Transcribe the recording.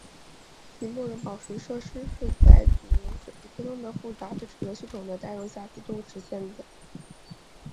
其木人宝石设施是在一组由水力推动的复杂的齿轮系统的带动下自动实现的。